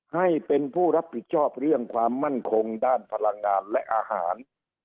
ให้เป็นผู้รับผิดชอบเรื่องความมั่นคงด้านพลังงานและอาหาร